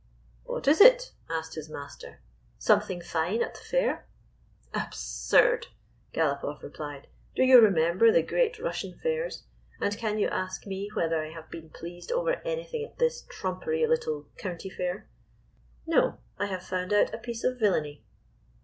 " What is it?" asked his master. "Something fine at the fair?" "Absurd !" Galopoff replied. " Do you re member the great Russian fairs? And can you ask me whether I have been pleased over any thing at this trumpery little County Fair? No. I have found out a piece of villainy."